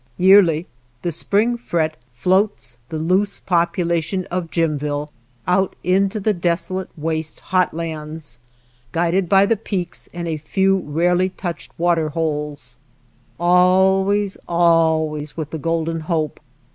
Yearly the spring fret floats the loose population of Jimville out into the desolate waste hot lands, guiding by the peaks and a few rarely touched water holes, always, always with the golden hope.